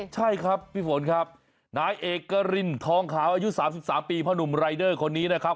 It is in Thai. ใช่ครับพี่ฝนครับนายเอกรินทองขาวอายุ๓๓ปีพ่อหนุ่มรายเดอร์คนนี้นะครับ